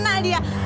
hahaha kena dia